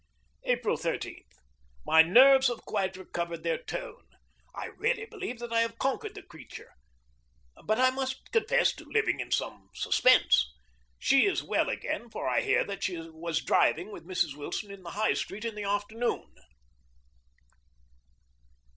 April 13. My nerves have quite recovered their tone. I really believe that I have conquered the creature. But I must confess to living in some suspense. She is well again, for I hear that she was driving with Mrs. Wilson in the High Street in the afternoon.